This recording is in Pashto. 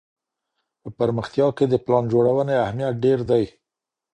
په پرمختيا کي د پلان جوړوني اهميت ډېر دی.